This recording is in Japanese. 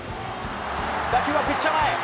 打球はピッチャー前。